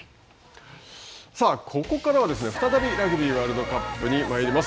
さあ、ここからは、再びラグビーワールドカップに参ります。